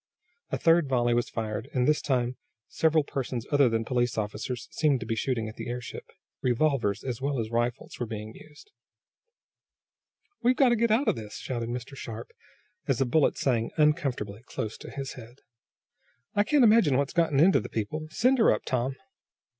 A third volley was fired, and this time several persons other than police officers seemed to be shooting at the airship. Revolvers as well as rifles were being used. "We're got to get out of this!" shouted Mr. Sharp, as a bullet sang uncomfortably close to his head. "I can't imagine what's gotten into the people. Send her up, Tom!"